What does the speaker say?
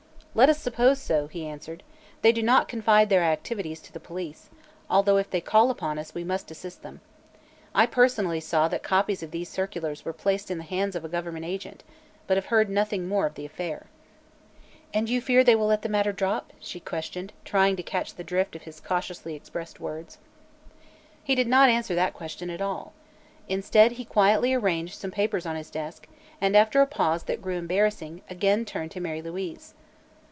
"Let us suppose so," he answered. "They do not confide their activities to the police, although if they call upon us, we must assist them. I personally saw that copies of these circulars were placed in the hands of a government agent, but have heard nothing more of the affair." "And you fear they will let the matter drop?" she questioned, trying to catch the drift of his cautiously expressed words. He did not answer that question at all. Instead, he quietly arranged some papers on his desk and after a pause that grew embarrassing, again turned to Mary Louise.